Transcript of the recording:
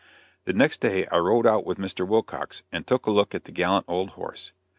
The next day I rode out with Mr. Wilcox and took a look at the gallant old horse.